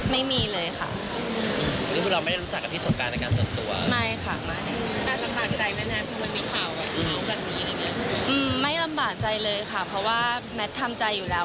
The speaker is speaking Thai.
ไม่มีเลยค่ะเพราะว่าแมททำใจอยู่แล้ว